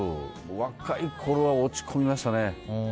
若いころは落ち込みましたね。